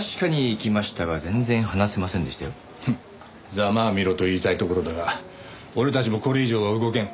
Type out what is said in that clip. ざまあみろと言いたいところだが俺たちもこれ以上は動けん。